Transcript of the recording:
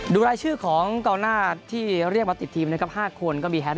ดูรายชื่อของตอนหน้า